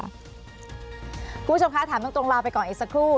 คุณผู้ชมคะถามตรงลาไปก่อนอีกสักครู่